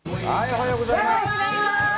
おはようございます。